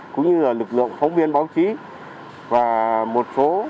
cũng như lực lượng phóng viên báo chí và một số các